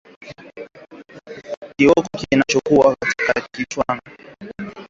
Kiwiko kinakuwa nje kichwa na shingo vikiwa vimenyooshwa kama dalili ya homa ya mapafu